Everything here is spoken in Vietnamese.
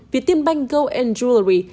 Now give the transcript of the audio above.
việt tiên banh go jewelry